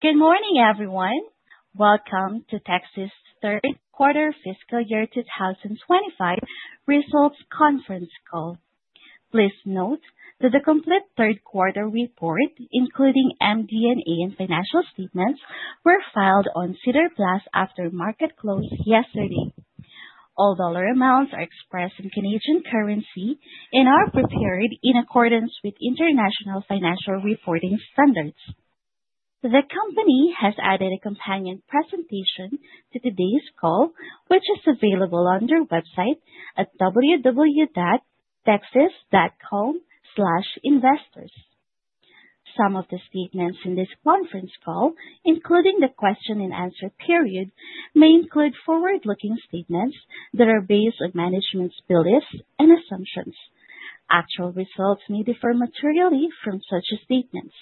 Good morning, everyone. Welcome to Tecsys Third Quarter Fiscal Year 2025 Results Conference Call. Please note that the complete third quarter report, including MD&A and financial statements, was filed on SEDAR Plus after market close yesterday. All dollar amounts are expressed in CAD currency and are prepared in accordance with International Financial Reporting Standards. The company has added a companion presentation to today's call, which is available on their website at www.tecsys.com/investors. Some of the statements in this conference call, including the question-and-answer period, may include forward-looking statements that are based on management's beliefs and assumptions. Actual results may differ materially from such statements.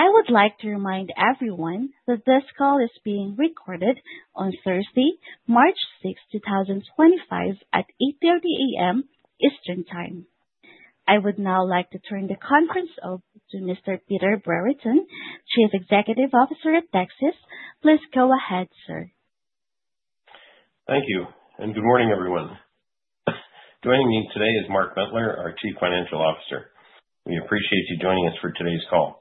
I would like to remind everyone that this call is being recorded on Thursday, March 6, 2025, at 8:30 A.M. Eastern Time. I would now like to turn the conference over to Mr. Peter Brereton, Chief Executive Officer at Tecsys. Please go ahead, sir. Thank you, and good morning, everyone. Joining me today is Mark Bentler, our Chief Financial Officer. We appreciate you joining us for today's call.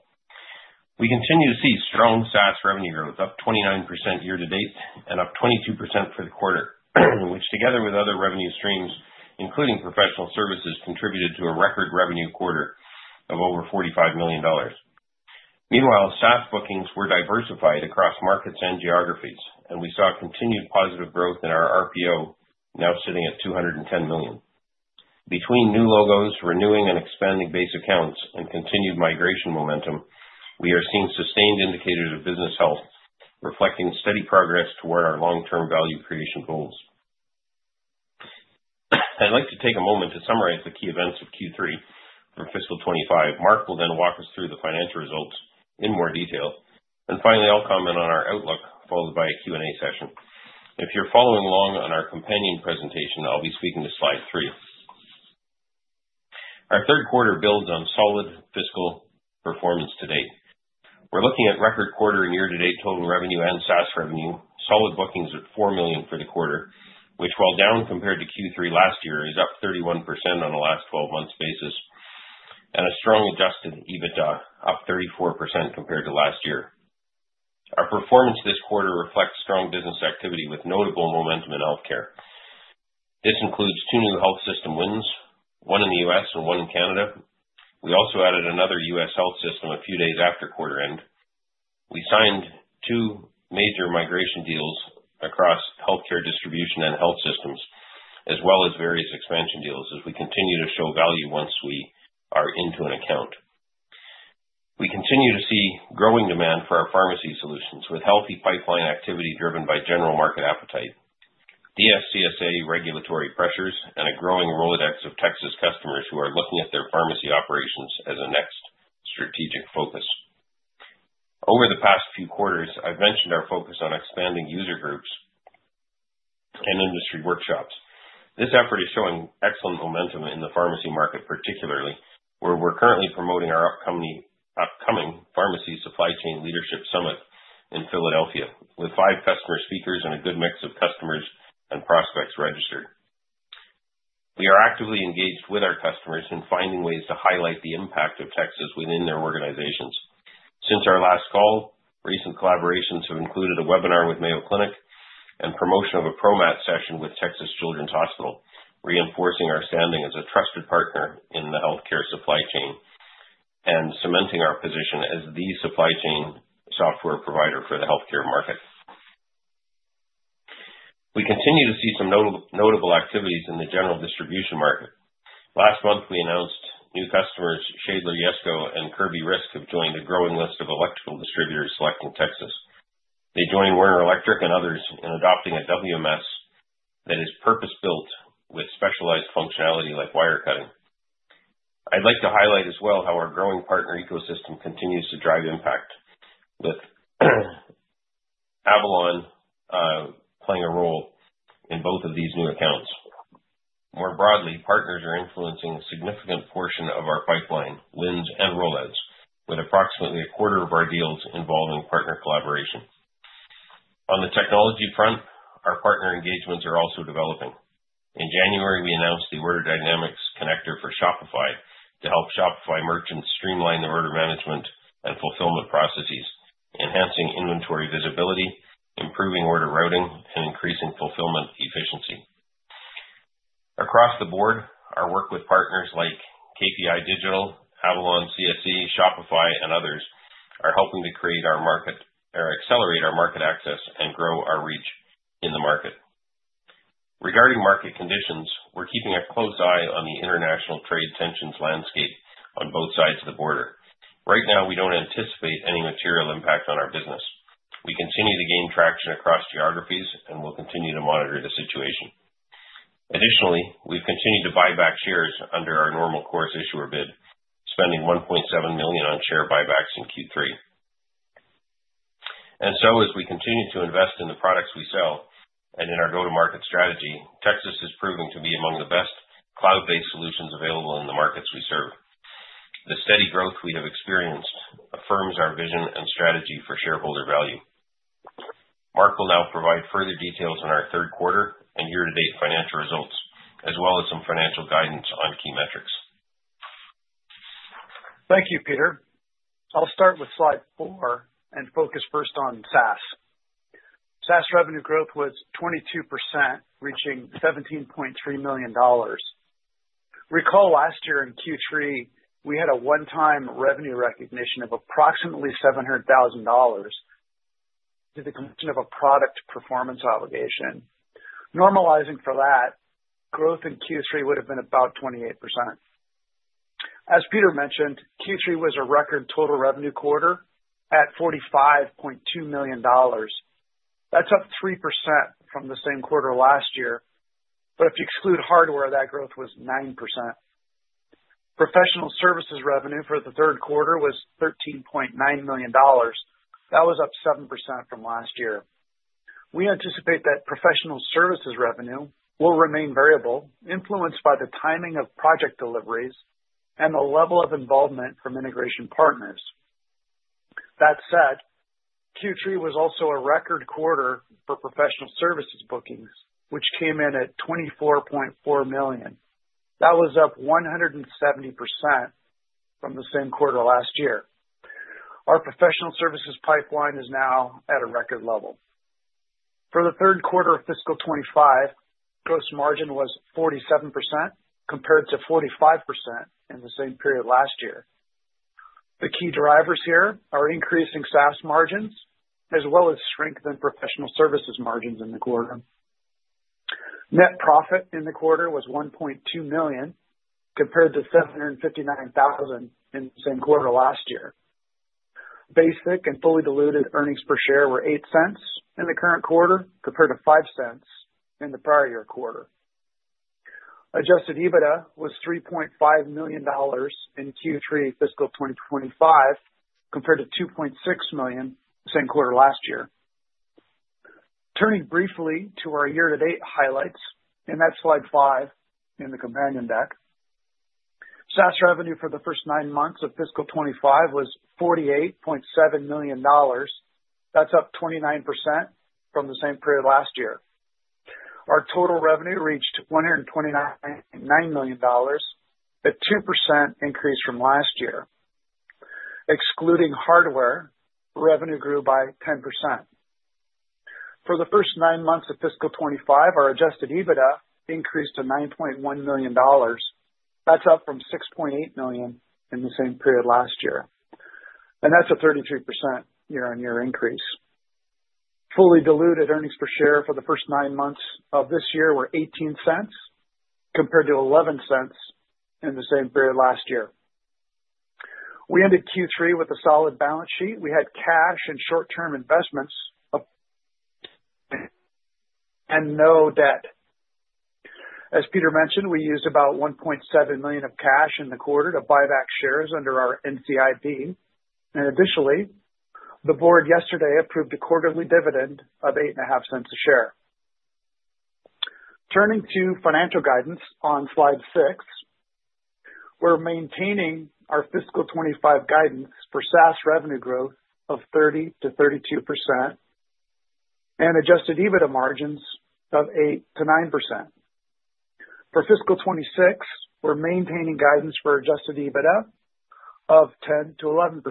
We continue to see strong SaaS revenue growth, up 29% year-to-date and up 22% for the quarter, which, together with other revenue streams, including professional services, contributed to a record revenue quarter of over 45 million dollars. Meanwhile, SaaS bookings were diversified across markets and geographies, and we saw continued positive growth in our RPO, now sitting at 210 million. Between new logos, renewing and expanding base accounts, and continued migration momentum, we are seeing sustained indicators of business health, reflecting steady progress toward our long-term value creation goals. I'd like to take a moment to summarize the key events of Q3 for Fiscal 2025. Mark will then walk us through the financial results in more detail, and finally, I'll comment on our outlook, followed by a Q&A session. If you're following along on our companion presentation, I'll be speaking to slide three. Our third quarter builds on solid fiscal performance to date. We're looking at record quarter and year-to-date total revenue and SaaS revenue, solid bookings at 4 million for the quarter, which, while down compared to Q3 last year, is up 31% on a last 12-month basis, and a strong adjusted EBITDA, up 34% compared to last year. Our performance this quarter reflects strong business activity with notable momentum in healthcare. This includes two new health system wins, one in the U.S. and one in Canada. We also added another U.S. health system a few days after quarter end. We signed two major migration deals across healthcare distribution and health systems, as well as various expansion deals, as we continue to show value once we are into an account. We continue to see growing demand for our pharmacy solutions, with healthy pipeline activity driven by general market appetite, DSCSA regulatory pressures, and a growing Rolodex of Tecsys customers who are looking at their pharmacy operations as a next strategic focus. Over the past few quarters, I've mentioned our focus on expanding user groups and industry workshops. This effort is showing excellent momentum in the pharmacy market, particularly where we're currently promoting our upcoming Pharmacy Supply Chain Leadership Summit in Philadelphia, with five customer speakers and a good mix of customers and prospects registered. We are actively engaged with our customers in finding ways to highlight the impact of Tecsys within their organizations. Since our last call, recent collaborations have included a webinar with Mayo Clinic and promotion of a ProMat session with Texas Children's Hospital, reinforcing our standing as a trusted partner in the healthcare supply chain and cementing our position as the supply chain software provider for the healthcare market. We continue to see some notable activities in the general distribution market. Last month, we announced new customers, Schaedler Yesco and Kirby Risk, have joined a growing list of electrical distributors selecting Tecsys. They join Werner Electric and others in adopting a WMS that is purpose-built with specialized functionality like wire cutting. I'd like to highlight as well how our growing partner ecosystem continues to drive impact, with Avalon playing a role in both of these new accounts. More broadly, partners are influencing a significant portion of our pipeline, wins, and rollouts, with approximately a quarter of our deals involving partner collaboration. On the technology front, our partner engagements are also developing. In January, we announced the Order Dynamics Connector for Shopify to help Shopify merchants streamline their order management and fulfillment processes, enhancing inventory visibility, improving order routing, and increasing fulfillment efficiency. Across the board, our work with partners like KPI Digital, Avalon CSC, Shopify, and others are helping to create our market, accelerate our market access, and grow our reach in the market. Regarding market conditions, we're keeping a close eye on the international trade tensions landscape on both sides of the border. Right now, we don't anticipate any material impact on our business. We continue to gain traction across geographies, and we'll continue to monitor the situation. Additionally, we've continued to buy back shares under our normal course issuer bid, spending 1.7 million on share buybacks in Q3. As we continue to invest in the products we sell and in our go-to-market strategy, Tecsys is proving to be among the best cloud-based solutions available in the markets we serve. The steady growth we have experienced affirms our vision and strategy for shareholder value. Mark will now provide further details on our third quarter and year-to-date financial results, as well as some financial guidance on key metrics. Thank you, Peter. I'll start with slide four and focus first on SaaS. SaaS revenue growth was 22%, reaching 17.3 million dollars. Recall last year in Q3, we had a one-time revenue recognition of approximately 700,000 dollars due to the completion of a product performance obligation. Normalizing for that, growth in Q3 would have been about 28%. As Peter mentioned, Q3 was a record total revenue quarter at 45.2 million dollars. That's up 3% from the same quarter last year, but if you exclude hardware, that growth was 9%. Professional services revenue for the third quarter was 13.9 million dollars. That was up 7% from last year. We anticipate that professional services revenue will remain variable, influenced by the timing of project deliveries and the level of involvement from integration partners. That said, Q3 was also a record quarter for professional services bookings, which came in at 24.4 million. That was up 170% from the same quarter last year. Our professional services pipeline is now at a record level. For the third quarter of Fiscal 2025, gross margin was 47% compared to 45% in the same period last year. The key drivers here are increasing SaaS margins, as well as strengthened professional services margins in the quarter. Net profit in the quarter was $1.2 million compared to $759,000 in the same quarter last year. Basic and fully diluted earnings per share were $0.08 in the current quarter compared to $0.05 in the prior year quarter. Adjusted EBITDA was $3.5 million in Q3 Fiscal 2025 compared to $2.6 million the same quarter last year. Turning briefly to our year-to-date highlights, and that is slide five in the companion deck. SaaS revenue for the first nine months of Fiscal 2025 was $48.7 million. That is up 29% from the same period last year. Our total revenue reached $129 million, a 2% increase from last year. Excluding hardware, revenue grew by 10%. For the first nine months of Fiscal 2025, our adjusted EBITDA increased to $9.1 million. That's up from $6.8 million in the same period last year, and that's a 33% year-on-year increase. Fully diluted earnings per share for the first nine months of this year were $0.18 compared to $0.11 in the same period last year. We ended Q3 with a solid balance sheet. We had cash and short-term investments and no debt. As Peter mentioned, we used about $1.7 million of cash in the quarter to buy back shares under our NCIB. Additionally, the board yesterday approved a quarterly dividend of $0.08 a share. Turning to financial guidance on slide six, we're maintaining our Fiscal 2025 guidance for SaaS revenue growth of 30%-32% and adjusted EBITDA margins of 8%-9%. For Fiscal 2026, we're maintaining guidance for adjusted EBITDA of 10%-11%.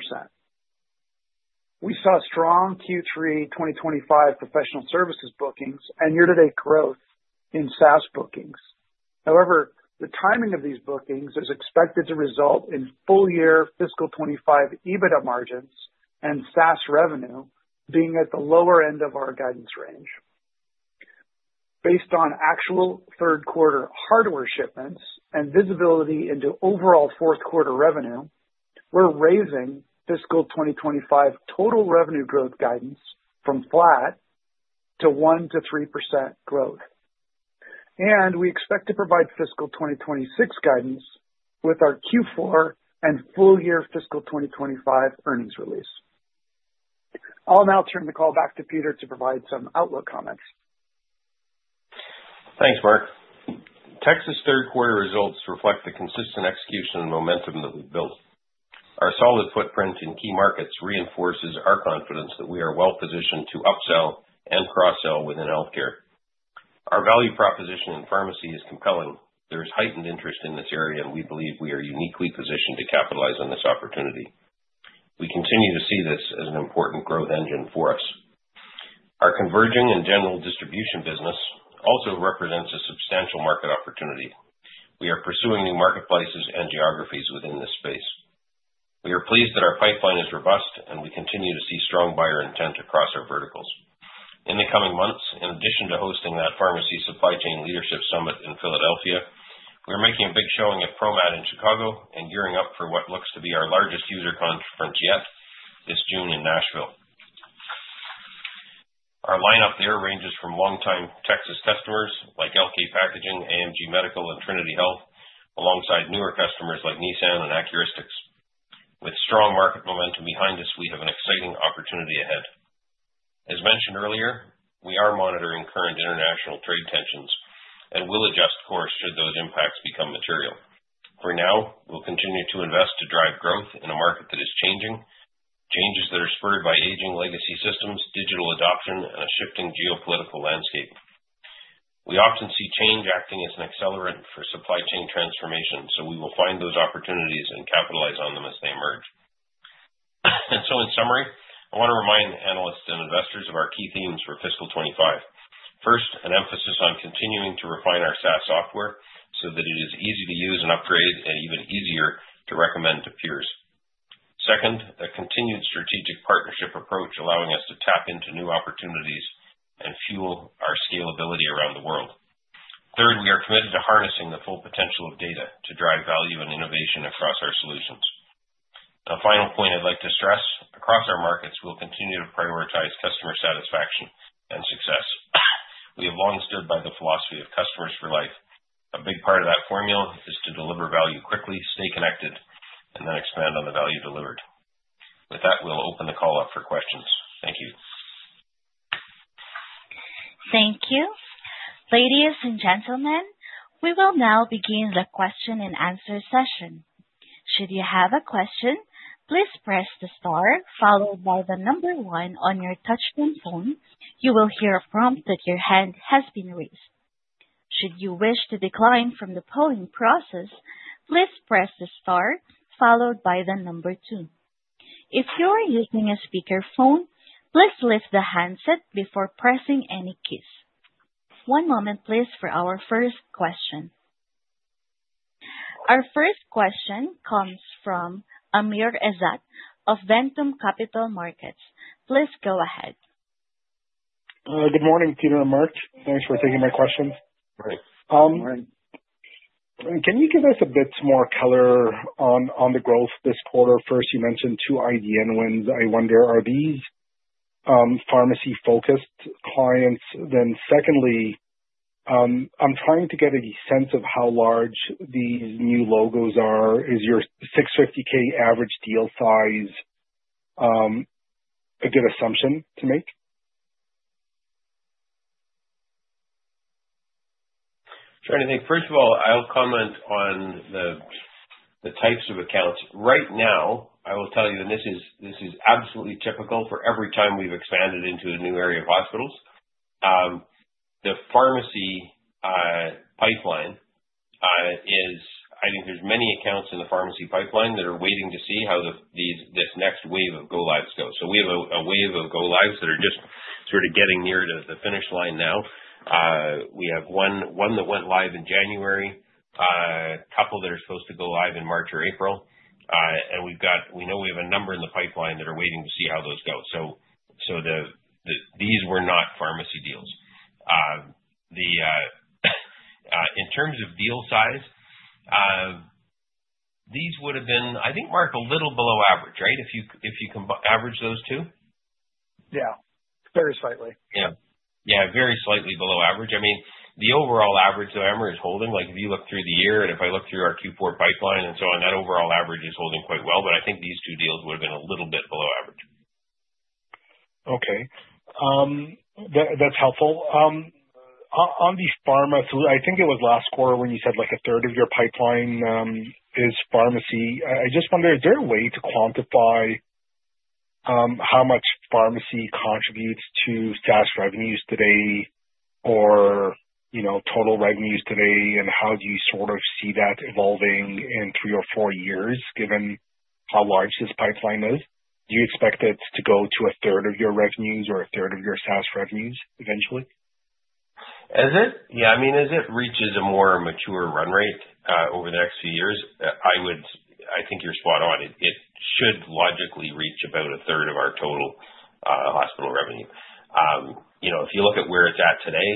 We saw strong Q3 2025 professional services bookings and year-to-date growth in SaaS bookings. However, the timing of these bookings is expected to result in full-year Fiscal 2025 EBITDA margins and SaaS revenue being at the lower end of our guidance range. Based on actual third-quarter hardware shipments and visibility into overall fourth-quarter revenue, we're raising Fiscal 2025 total revenue growth guidance from flat to 1%-3% growth. We expect to provide Fiscal 2026 guidance with our Q4 and full-year Fiscal 2025 earnings release. I'll now turn the call back to Peter to provide some outlook comments. Thanks, Mark. Tecsys third-quarter results reflect the consistent execution and momentum that we've built. Our solid footprint in key markets reinforces our confidence that we are well-positioned to upsell and cross-sell within healthcare. Our value proposition in pharmacy is compelling. There is heightened interest in this area, and we believe we are uniquely positioned to capitalize on this opportunity. We continue to see this as an important growth engine for us. Our converging and general distribution business also represents a substantial market opportunity. We are pursuing new marketplaces and geographies within this space. We are pleased that our pipeline is robust, and we continue to see strong buyer intent across our verticals. In the coming months, in addition to hosting that Pharmacy Supply Chain Leadership Summit in Philadelphia, we are making a big showing at ProMat in Chicago and gearing up for what looks to be our largest user conference yet this June in Nashville. Our lineup there ranges from longtime Texas customers like LK Packaging, AMG Medical, and Trinity Health, alongside newer customers like Nissan and Accuristix. With strong market momentum behind us, we have an exciting opportunity ahead. As mentioned earlier, we are monitoring current international trade tensions and will adjust course should those impacts become material. For now, we'll continue to invest to drive growth in a market that is changing, changes that are spurred by aging legacy systems, digital adoption, and a shifting geopolitical landscape. We often see change acting as an accelerant for supply chain transformation, so we will find those opportunities and capitalize on them as they emerge. In summary, I want to remind analysts and investors of our key themes for Fiscal 2025. First, an emphasis on continuing to refine our SaaS software so that it is easy to use and upgrade, and even easier to recommend to peers. Second, a continued strategic partnership approach allowing us to tap into new opportunities and fuel our scalability around the world. Third, we are committed to harnessing the full potential of data to drive value and innovation across our solutions. A final point I'd like to stress: across our markets, we'll continue to prioritize customer satisfaction and success. We have long stood by the philosophy of customers for life. A big part of that formula is to deliver value quickly, stay connected, and then expand on the value delivered. With that, we will open the call up for questions. Thank you. Thank you. Ladies and gentlemen, we will now begin the question-and-answer session. Should you have a question, please press the star followed by the number one on your touchscreen phone. You will hear a prompt that your hand has been raised. Should you wish to decline from the polling process, please press the star followed by the number two. If you are using a speakerphone, please lift the handset before pressing any keys. One moment, please, for our first question. Our first question comes from Amir Ezzat of Ventum Capital Markets. Please go ahead. Good morning, Peter and Mark. Thanks for taking my question. Can you give us a bit more color on the growth this quarter? First, you mentioned two IDN wins. I wonder, are these pharmacy-focused clients? Then secondly, I'm trying to get a sense of how large these new logos are. Is your $650,000 average deal size a good assumption to make? Sure. I think, first of all, I'll comment on the types of accounts. Right now, I will tell you, and this is absolutely typical for every time we've expanded into a new area of hospitals, the pharmacy pipeline is—I think there's many accounts in the pharmacy pipeline that are waiting to see how this next wave of go-lives goes. We have a wave of go-lives that are just sort of getting near the finish line now. We have one that went live in January, a couple that are supposed to go live in March or April, and we know we have a number in the pipeline that are waiting to see how those go. These were not pharmacy deals. In terms of deal size, these would have been, I think, Mark, a little below average, right? If you average those two? Yeah. Very slightly. Yeah. Yeah. Very slightly below average. I mean, the overall average that Amr is holding, if you look through the year and if I look through our Q4 pipeline and so on, that overall average is holding quite well. I think these two deals would have been a little bit below average. Okay. That's helpful. On the pharma, I think it was last quarter when you said a third of your pipeline is pharmacy. I just wonder, is there a way to quantify how much pharmacy contributes to SaaS revenues today or total revenues today, and how do you sort of see that evolving in three or four years given how large this pipeline is? Do you expect it to go to a third of your revenues or a third of your SaaS revenues eventually? Yeah. I mean, as it reaches a more mature run rate over the next few years, I think you're spot on. It should logically reach about a third of our total hospital revenue. If you look at where it's at today,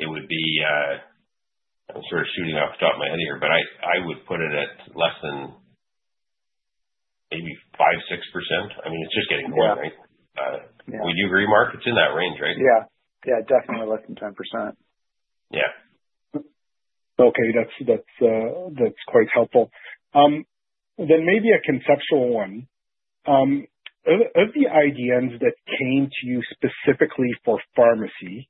it would be—I’m sort of shooting off the top of my head here—but I would put it at less than maybe 5%, 6%. I mean, it's just getting more, right? We do agree, Mark. It's in that range, right? Yeah. Yeah. Definitely less than 10%. Yeah. Okay. That's quite helpful. Maybe a conceptual one. Of the IDNs that came to you specifically for pharmacy,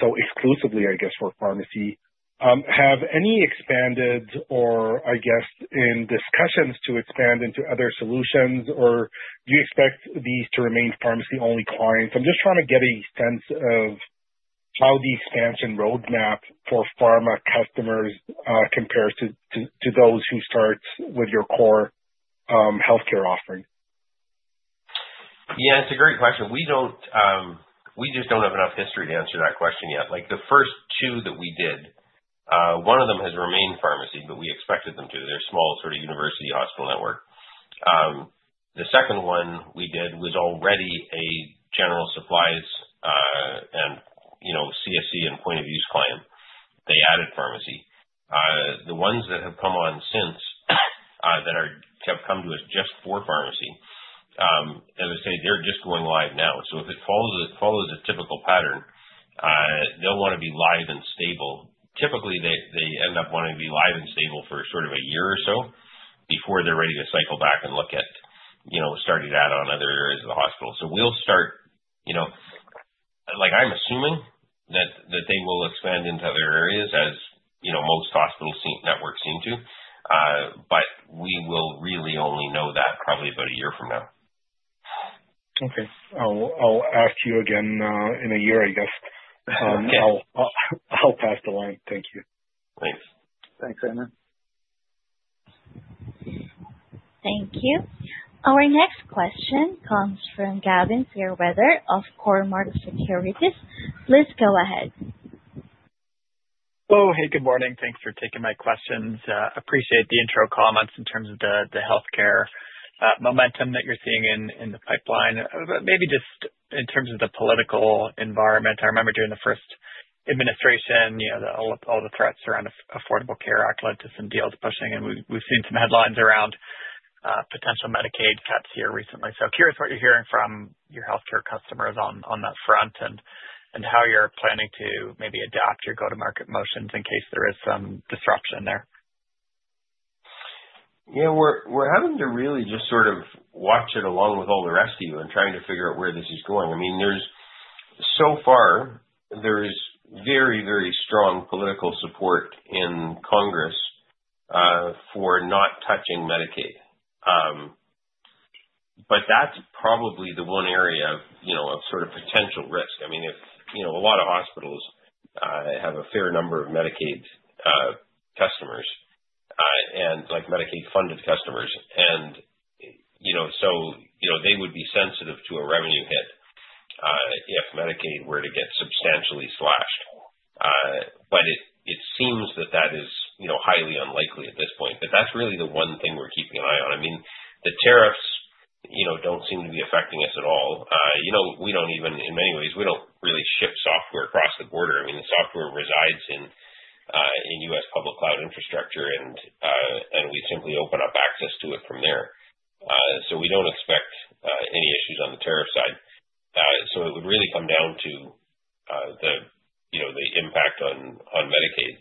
so exclusively, I guess, for pharmacy, have any expanded or, I guess, in discussions to expand into other solutions, or do you expect these to remain pharmacy-only clients? I'm just trying to get a sense of how the expansion roadmap for pharma customers compares to those who start with your core healthcare offering. Yeah. It's a great question. We just don't have enough history to answer that question yet. The first two that we did, one of them has remained pharmacy, but we expected them to. They're a small sort of university hospital network. The second one we did was already a general supplies and CSC and point-of-use client. They added pharmacy. The ones that have come on since that have come to us just for pharmacy, as I say, they're just going live now. If it follows a typical pattern, they'll want to be live and stable. Typically, they end up wanting to be live and stable for sort of a year or so before they're ready to cycle back and look at starting out on other areas of the hospital. I am assuming that they will expand into other areas as most hospital networks seem to, but we will really only know that probably about a year from now. Okay. I'll ask you again in a year, I guess. I'll pass the line. Thank you. Thanks. Thanks, Amr. Thank you. Our next question comes from Gavin Fairweather of Cormark Securities. Please go ahead. Oh, hey. Good morning. Thanks for taking my questions. Appreciate the intro comments in terms of the healthcare momentum that you're seeing in the pipeline. Maybe just in terms of the political environment. I remember during the first administration, all the threats around the Affordable Care Act led to some deals pushing, and we've seen some headlines around potential Medicaid cuts here recently. Curious what you're hearing from your healthcare customers on that front and how you're planning to maybe adapt your go-to-market motions in case there is some disruption there. Yeah. We're having to really just sort of watch it along with all the rest of you and trying to figure out where this is going. I mean, so far, there is very, very strong political support in Congress for not touching Medicaid. That's probably the one area of sort of potential risk. I mean, a lot of hospitals have a fair number of Medicaid customers and Medicaid-funded customers. They would be sensitive to a revenue hit if Medicaid were to get substantially slashed. It seems that that is highly unlikely at this point. That's really the one thing we're keeping an eye on. I mean, the tariffs don't seem to be affecting us at all. We don't even, in many ways, we don't really ship software across the border. I mean, the software resides in U.S. public cloud infrastructure, and we simply open up access to it from there. We do not expect any issues on the tariff side. It would really come down to the impact on Medicaid.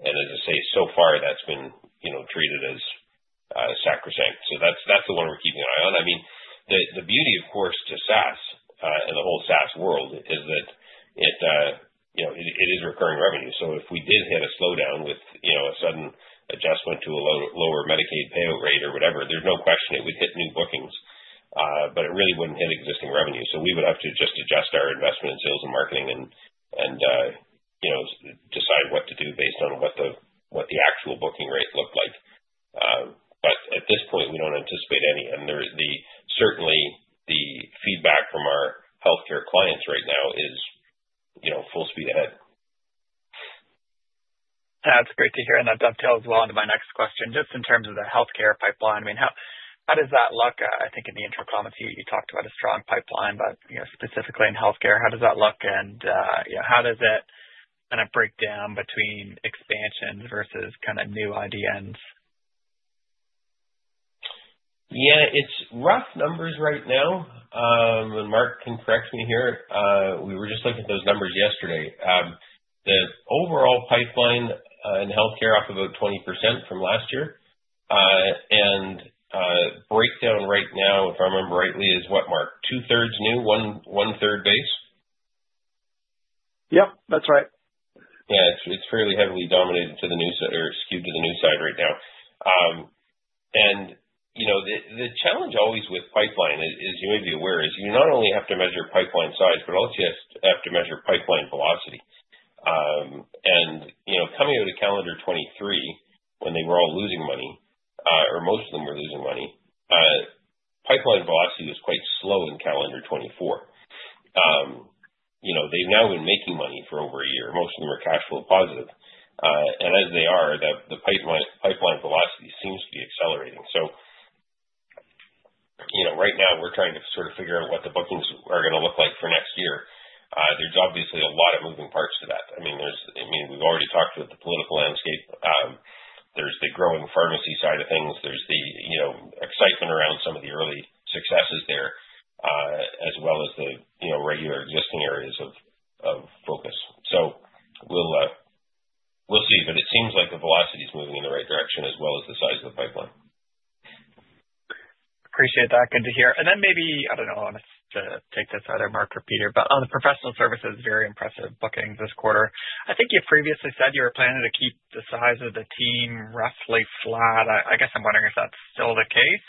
As I say, so far, that has been treated as sacrosanct. That is the one we are keeping an eye on. I mean, the beauty, of course, to SaaS and the whole SaaS world is that it is recurring revenue. If we did hit a slowdown with a sudden adjustment to a lower Medicaid payout rate or whatever, there is no question it would hit new bookings. It really would not hit existing revenue. We would have to just adjust our investment in sales and marketing and decide what to do based on what the actual booking rate looked like. At this point, we do not anticipate any. Certainly, the feedback from our healthcare clients right now is full speed ahead. That's great to hear. That dovetails well into my next question. Just in terms of the healthcare pipeline, I mean, how does that look? I think in the intro comments, you talked about a strong pipeline, but specifically in healthcare, how does that look? How does it kind of break down between expansions versus kind of new IDNs? Yeah. It's rough numbers right now. Mark can correct me here. We were just looking at those numbers yesterday. The overall pipeline in healthcare is up about 20% from last year. The breakdown right now, if I remember rightly, is what, Mark? 2/3 new, 1/3 base? Yep. That's right. Yeah. It's fairly heavily dominated to the new or skewed to the new side right now. The challenge always with pipeline, as you may be aware, is you not only have to measure pipeline size, but also you have to measure pipeline velocity. Coming out of calendar 2023, when they were all losing money, or most of them were losing money, pipeline velocity was quite slow in calendar 2024. They've now been making money for over a year. Most of them are cash flow positive. As they are, the pipeline velocity seems to be accelerating. Right now, we're trying to sort of figure out what the bookings are going to look like for next year. There's obviously a lot of moving parts to that. I mean, we've already talked about the political landscape. There's the growing pharmacy side of things. is the excitement around some of the early successes there, as well as the regular existing areas of focus. We will see. It seems like the velocity is moving in the right direction, as well as the size of the pipeline. Appreciate that. Good to hear. Maybe, I do not know who should take this, either Mark or Peter, but on the professional services, very impressive bookings this quarter. I think you previously said you were planning to keep the size of the team roughly flat. I guess I am wondering if that is still the case,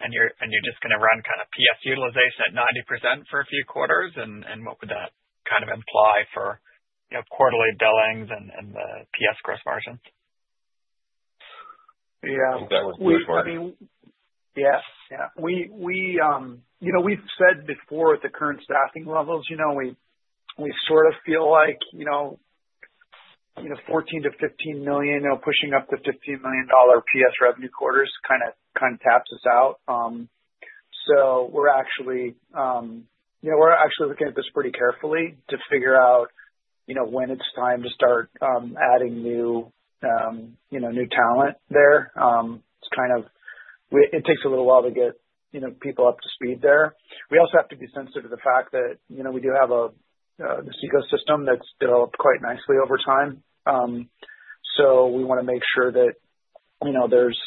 and you are just going to run kind of PS utilization at 90% for a few quarters. What would that kind of imply for quarterly billings and the PS gross margins? Yeah. I think that was the quarter. I mean, yeah. Yeah. We've said before at the current staffing levels, we sort of feel like 14 million to 15 million pushing up the 15 million dollar PS revenue quarters kind of taps us out. We are actually looking at this pretty carefully to figure out when it's time to start adding new talent there. It takes a little while to get people up to speed there. We also have to be sensitive to the fact that we do have this ecosystem that's developed quite nicely over time. We want to make sure that there's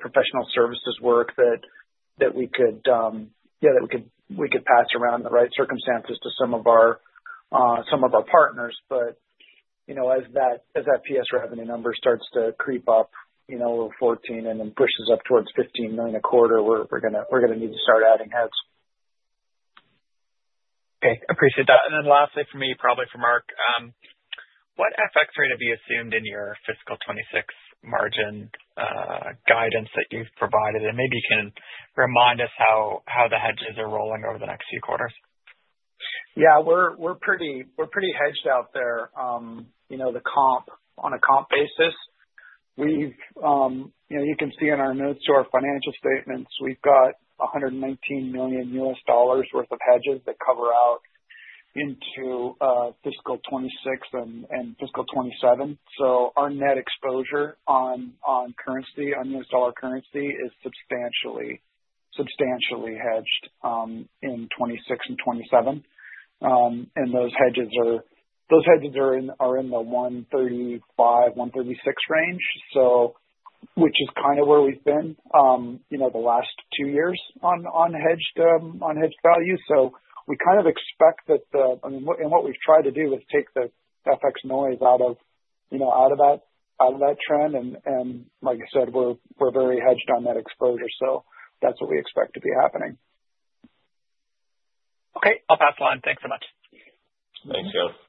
professional services work that we could, yeah, that we could pass around in the right circumstances to some of our partners. As that PS revenue number starts to creep up over 14 million and then pushes up towards 15 million a quarter, we're going to need to start adding heads. Okay. Appreciate that. Lastly, for me, probably for Mark, what effects are to be assumed in your fiscal 2026 margin guidance that you've provided? Maybe you can remind us how the hedges are rolling over the next few quarters. Yeah. We're pretty hedged out there. The comp, on a comp basis, you can see in our notes to our financial statements, we've got $119 million US dollars' worth of hedges that cover out into fiscal 2026 and fiscal 2027. Our net exposure on US dollar currency is substantially hedged in 2026 and 2027. Those hedges are in the 135-136 range, which is kind of where we've been the last two years on hedged value. We kind of expect that the, I mean, what we've tried to do is take the FX noise out of that trend. Like I said, we're very hedged on that exposure. That's what we expect to be happening. Okay. I'll pass the line. Thanks so much.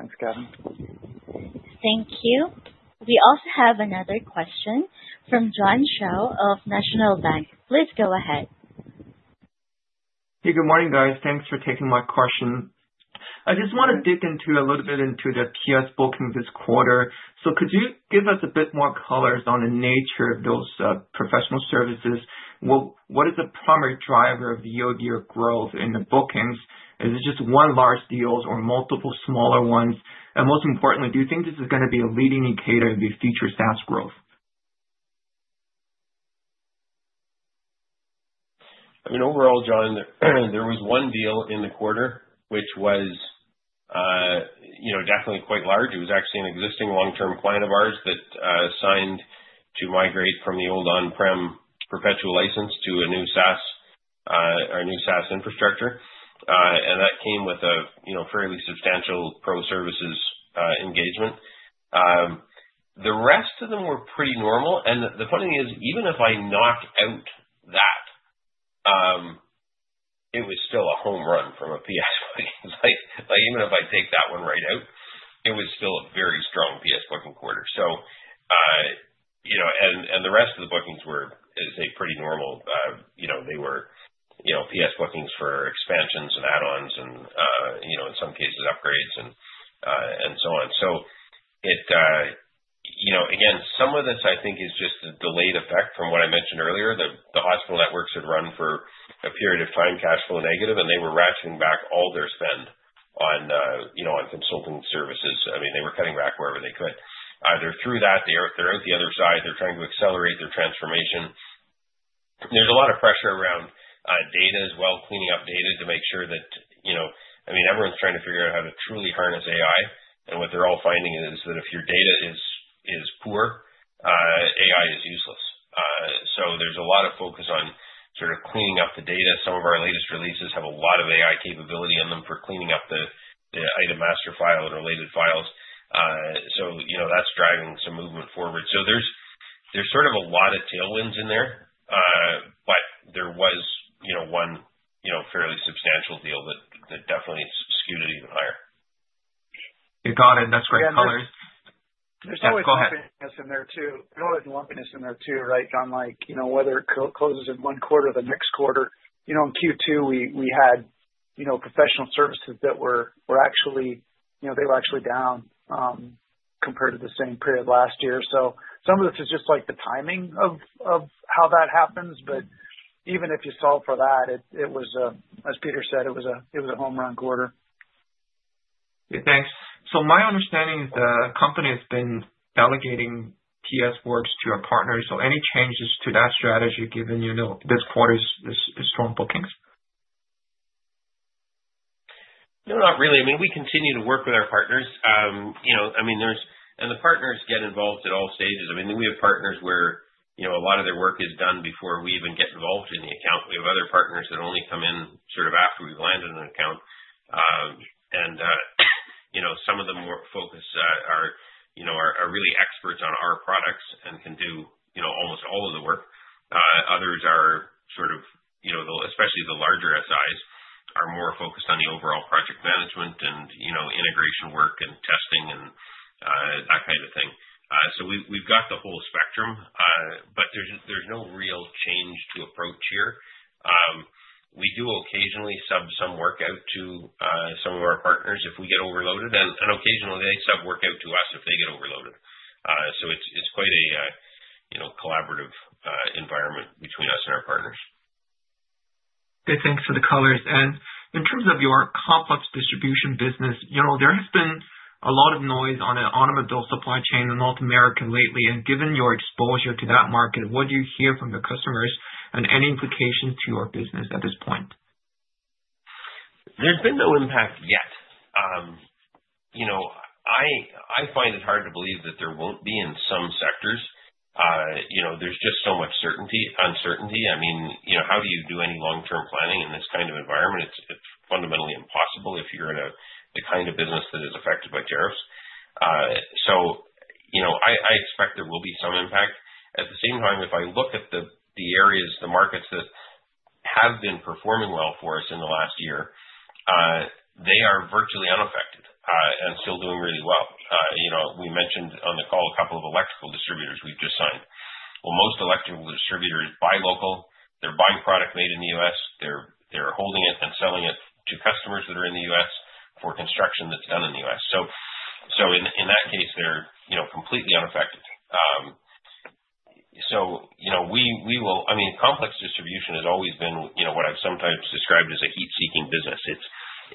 Thanks, Gavin. Thank you. We also have another question from John Shao of National Bank. Please go ahead. Hey. Good morning, guys. Thanks for taking my question. I just want to dig into a little bit into the PS booking this quarter. Could you give us a bit more colors on the nature of those professional services? What is the primary driver of year-over-year growth in the bookings? Is it just one large deal or multiple smaller ones? Most importantly, do you think this is going to be a leading indicator of your future SaaS growth? I mean, overall, John, there was one deal in the quarter which was definitely quite large. It was actually an existing long-term client of ours that signed to migrate from the old on-prem perpetual license to a new SaaS or a new SaaS infrastructure. That came with a fairly substantial pro-services engagement. The rest of them were pretty normal. The funny thing is, even if I knock out that, it was still a home run from a PS booking. Even if I take that one right out, it was still a very strong PS booking quarter. The rest of the bookings were, as I say, pretty normal. They were PS bookings for expansions and add-ons and, in some cases, upgrades and so on. Again, some of this, I think, is just a delayed effect from what I mentioned earlier. The hospital networks had run for a period of time cash flow negative, and they were ratcheting back all their spend on consulting services. I mean, they were cutting back wherever they could. They're through that. They're out the other side. They're trying to accelerate their transformation. There's a lot of pressure around data as well, cleaning up data to make sure that, I mean, everyone's trying to figure out how to truly harness AI. What they're all finding is that if your data is poor, AI is useless. There's a lot of focus on sort of cleaning up the data. Some of our latest releases have a lot of AI capability in them for cleaning up the item master file and related files. That's driving some movement forward. There is sort of a lot of tailwinds in there, but there was one fairly substantial deal that definitely skewed it even higher. You got it. That's great colors. There's always lumpiness in there too. There's always lumpiness in there too, right, John? Whether it closes in one quarter or the next quarter. In Q2, we had professional services that were actually down compared to the same period last year. Some of this is just like the timing of how that happens. Even if you saw for that, it was, as Peter said, it was a home run quarter. Yeah. Thanks. My understanding is the company has been delegating PS works to our partners. Any changes to that strategy given this quarter's strong bookings? No, not really. I mean, we continue to work with our partners. I mean, and the partners get involved at all stages. I mean, we have partners where a lot of their work is done before we even get involved in the account. We have other partners that only come in sort of after we've landed an account. Some of them are really experts on our products and can do almost all of the work. Others are sort of, especially the larger SIs, more focused on the overall project management and integration work and testing and that kind of thing. We have the whole spectrum, but there's no real change to approach here. We do occasionally sub some work out to some of our partners if we get overloaded. Occasionally, they sub work out to us if they get overloaded. It is quite a collaborative environment between us and our partners. Good. Thanks for the colors. In terms of your complex distribution business, there has been a lot of noise on the adult supply chain in North America lately. Given your exposure to that market, what do you hear from your customers and any implications to your business at this point? There's been no impact yet. I find it hard to believe that there won't be in some sectors. There's just so much uncertainty. I mean, how do you do any long-term planning in this kind of environment? It's fundamentally impossible if you're in a kind of business that is affected by tariffs. I expect there will be some impact. At the same time, if I look at the areas, the markets that have been performing well for us in the last year, they are virtually unaffected and still doing really well. We mentioned on the call a couple of electrical distributors we've just signed. Most electrical distributors buy local. They're buying product made in the U.S. They're holding it and selling it to customers that are in the U.S. for construction that's done in the U.S. In that case, they're completely unaffected. Complex distribution has always been what I've sometimes described as a heat-seeking business.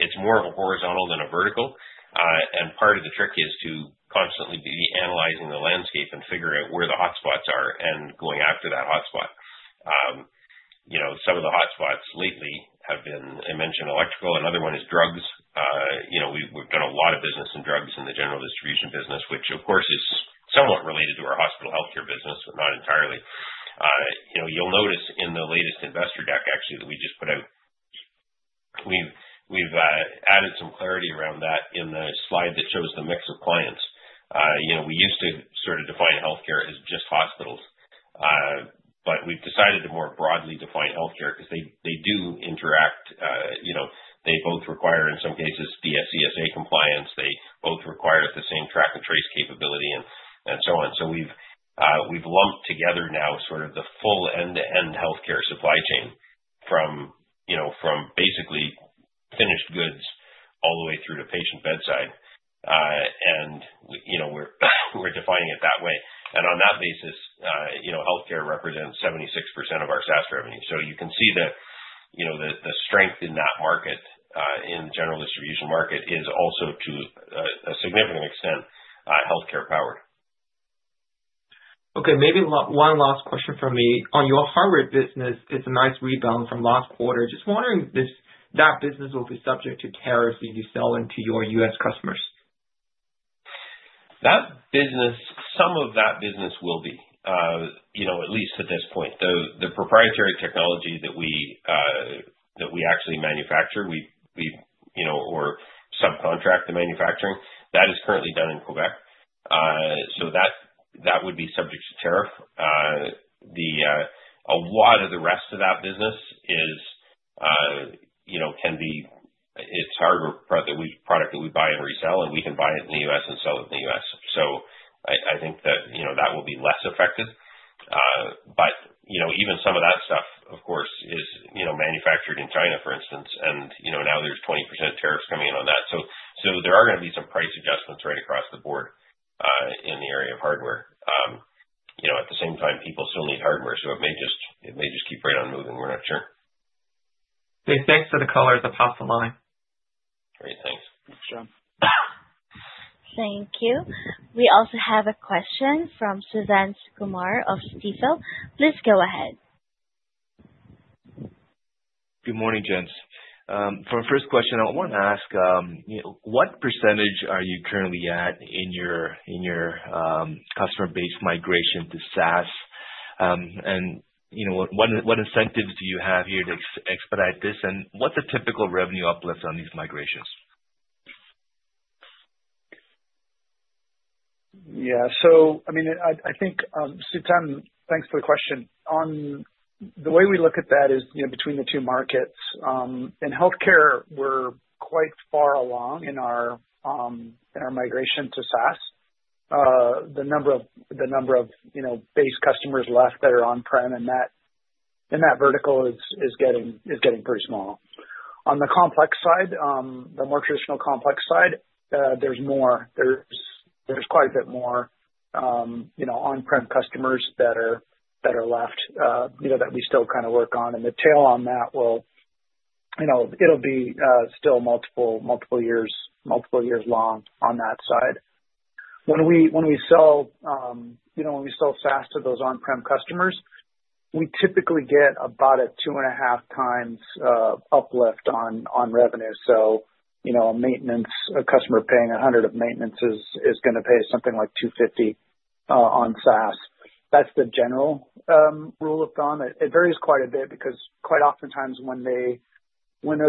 It's more of a horizontal than a vertical. Part of the trick is to constantly be analyzing the landscape and figuring out where the hotspots are and going after that hotspot. Some of the hotspots lately have been, I mentioned, electrical. Another one is drugs. We've done a lot of business in drugs in the general distribution business, which, of course, is somewhat related to our hospital healthcare business, but not entirely. You'll notice in the latest investor deck, actually, that we just put out, we've added some clarity around that in the slide that shows the mix of clients. We used to sort of define healthcare as just hospitals, but we've decided to more broadly define healthcare because they do interact. They both require, in some cases, DSCSA compliance. They both require the same track and trace capability and so on. We have lumped together now sort of the full end-to-end healthcare supply chain from basically finished goods all the way through to patient bedside. We are defining it that way. On that basis, healthcare represents 76% of our SaaS revenue. You can see that the strength in that market, in the general distribution market, is also to a significant extent healthcare powered. Okay. Maybe one last question from me. On your hardware business, it's a nice rebound from last quarter. Just wondering if that business will be subject to tariffs if you sell into your U.S. customers? Some of that business will be, at least at this point. The proprietary technology that we actually manufacture or subcontract the manufacturing, that is currently done in Quebec. That would be subject to tariff. A lot of the rest of that business can be, it's hardware product that we buy and resell, and we can buy it in the U.S. and sell it in the U.S. I think that that will be less affected. Even some of that stuff, of course, is manufactured in China, for instance, and now there's 20% tariffs coming in on that. There are going to be some price adjustments right across the board in the area of hardware. At the same time, people still need hardware, so it may just keep right on moving. We're not sure. Okay. Thanks for the color. I'll pass the line. Great. Thanks. Thanks, John. Thank you. We also have a question from Suthan Sukumar of Stifel. Please go ahead. Good morning, gents. For our first question, I want to ask, what percentage are you currently at in your customer base migration to SaaS? What incentives do you have here to expedite this? What's the typical revenue uplift on these migrations? Yeah. I mean, I think, Suthan, thanks for the question. The way we look at that is between the two markets. In healthcare, we're quite far along in our migration to SaaS. The number of base customers left that are on-prem in that vertical is getting pretty small. On the complex side, the more traditional complex side, there's more. There's quite a bit more on-prem customers that are left that we still kind of work on. The tail on that, it'll be still multiple years long on that side. When we sell SaaS to those on-prem customers, we typically get about a two-and-a-half times uplift on revenue. A customer paying 100 of maintenance is going to pay something like 250 on SaaS. That's the general rule of thumb. It varies quite a bit because quite oftentimes when they're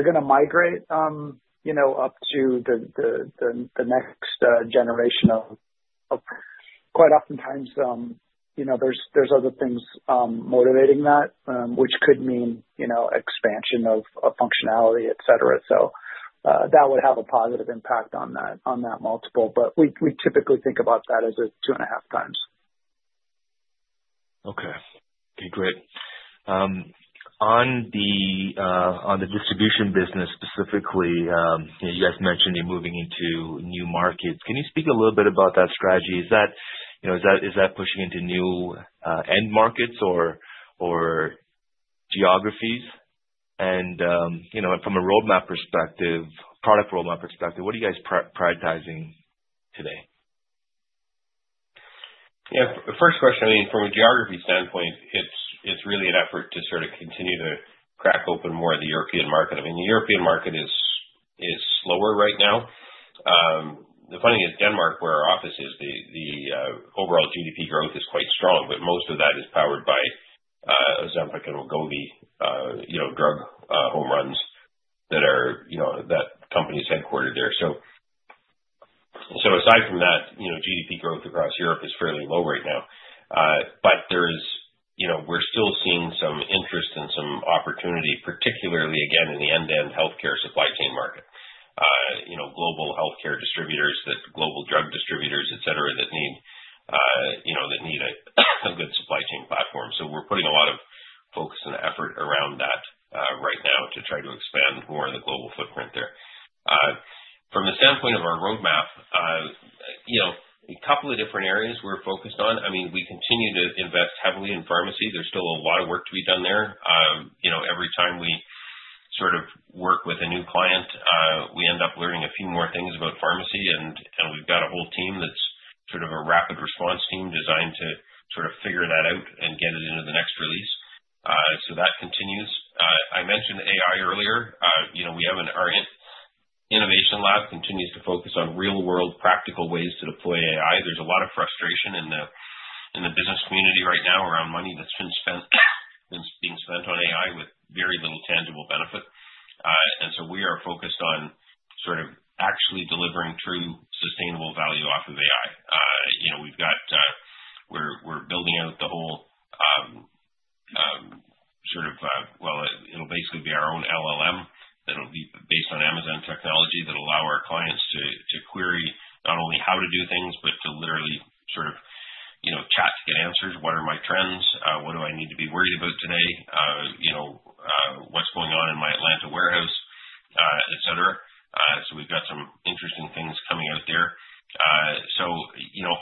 going to migrate up to the next generation of, quite oftentimes, there's other things motivating that, which could mean expansion of functionality, etc. That would have a positive impact on that multiple. We typically think about that as a two-and-a-half times. Okay. Okay. Great. On the distribution business specifically, you guys mentioned you're moving into new markets. Can you speak a little bit about that strategy? Is that pushing into new end markets or geographies? From a roadmap perspective, product roadmap perspective, what are you guys prioritizing today? Yeah. First question, I mean, from a geography standpoint, it's really an effort to sort of continue to crack open more of the European market. I mean, the European market is slower right now. The funny thing is, Denmark, where our office is, the overall GDP growth is quite strong, but most of that is powered by Ozempic and Wegovy drug home runs that are that company is headquartered there. Aside from that, GDP growth across Europe is fairly low right now. We're still seeing some interest and some opportunity, particularly, again, in the end-to-end healthcare supply chain market. Global healthcare distributors, global drug distributors, etc., that need a good supply chain platform. We're putting a lot of focus and effort around that right now to try to expand more of the global footprint there. From the standpoint of our roadmap, a couple of different areas we're focused on. I mean, we continue to invest heavily in pharmacy. There's still a lot of work to be done there. Every time we sort of work with a new client, we end up learning a few more things about pharmacy. And we've got a whole team that's sort of a rapid response team designed to sort of figure that out and get it into the next release. That continues. I mentioned AI earlier. Our innovation lab continues to focus on real-world practical ways to deploy AI. There's a lot of frustration in the business community right now around money that's been spent on AI with very little tangible benefit. We are focused on sort of actually delivering true sustainable value off of AI. We're building out the whole sort of, well, it'll basically be our own LLM that'll be based on Amazon technology that'll allow our clients to query not only how to do things, but to literally sort of chat to get answers. What are my trends? What do I need to be worried about today? What's going on in my Atlanta warehouse, etc.? We've got some interesting things coming out there.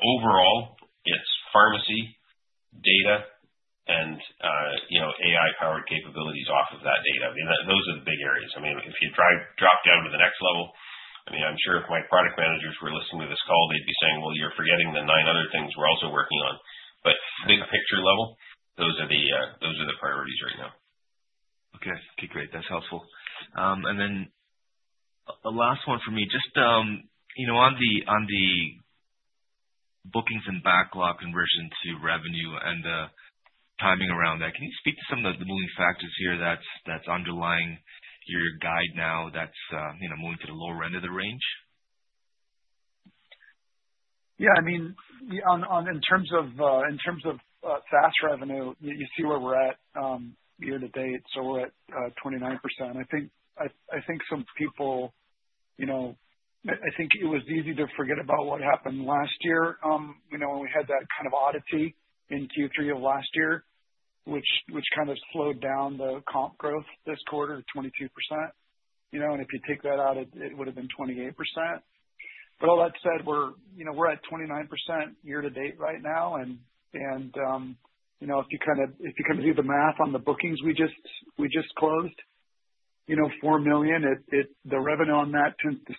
Overall, it's pharmacy, data, and AI-powered capabilities off of that data. I mean, those are the big areas. If you drop down to the next level, I mean, I'm sure if my product managers were listening to this call, they'd be saying, "Well, you're forgetting the nine other things we're also working on." Big picture level, those are the priorities right now. Okay. Okay. Great. That's helpful. The last one for me, just on the bookings and backlog conversion to revenue and the timing around that, can you speak to some of the moving factors here that's underlying your guide now that's moving to the lower end of the range? Yeah. I mean, in terms of SaaS revenue, you see where we're at year to date. We're at 29%. I think some people, I think it was easy to forget about what happened last year when we had that kind of oddity in Q3 of last year, which kind of slowed down the comp growth this quarter to 22%. If you take that out, it would have been 28%. All that said, we're at 29% year to date right now. If you kind of do the math on the bookings we just closed, $4 million, the revenue on that tends to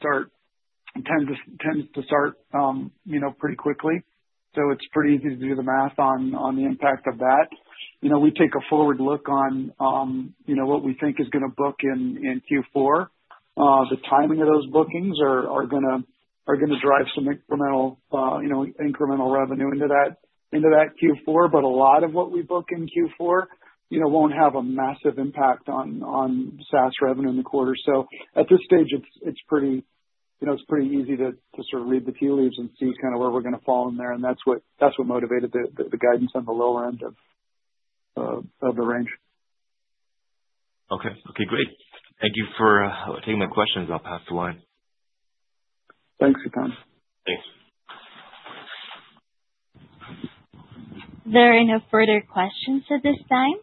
start pretty quickly. It's pretty easy to do the math on the impact of that. We take a forward look on what we think is going to book in Q4. The timing of those bookings are going to drive some incremental revenue into that Q4. A lot of what we book in Q4 won't have a massive impact on SaaS revenue in the quarter. At this stage, it's pretty easy to sort of read the tea leaves and see kind of where we're going to fall in there. That's what motivated the guidance on the lower end of the range. Okay. Okay. Great. Thank you for taking my questions. I'll pass the line. Thanks, Suthan. Thanks. There are no further questions at this time.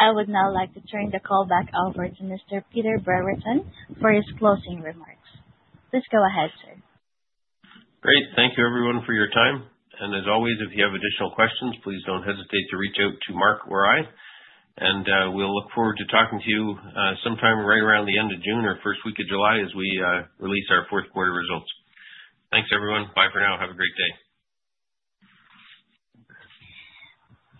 I would now like to turn the call back over to Mr. Peter Brereton for his closing remarks. Please go ahead, sir. Great. Thank you, everyone, for your time. As always, if you have additional questions, please do not hesitate to reach out to Mark or I. We look forward to talking to you sometime right around the end of June or first week of July as we release our fourth quarter results. Thanks, everyone. Bye for now. Have a great day.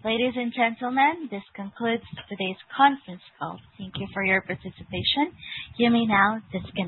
Ladies and gentlemen, this concludes today's conference call. Thank you for your participation. You may now disconnect.